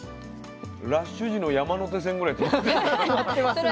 ラッシュ時の山手線ぐらいきますね。